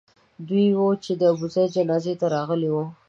دوی وو چې د ابوزید جنازې ته راغلي وو.